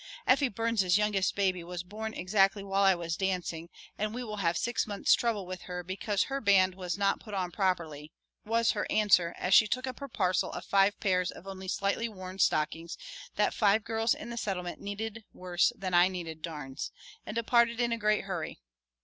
"Effie Burns' youngest baby was born exactly while I was dancing, and we will have six months' trouble with her because her band was not put on properly," was her answer, as she took up her parcel of five pairs of only slightly worn stockings that five girls in the Settlement needed worse than I needed darns, and departed in a great hurry.